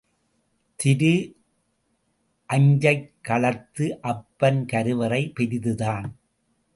திரு அஞ்சைக்களத்து அப்பன் கருவறை பெரிதுதான்.